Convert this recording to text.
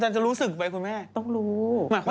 มันจะรู้สึกไหมคุณแม่